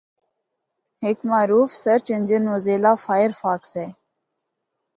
ہک معروف search engine موزیلہ فائرفاکس ہے۔